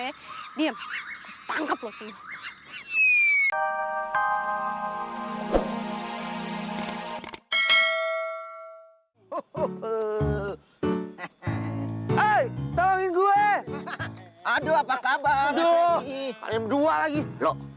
hai tolongin gue aduh apa kabar lo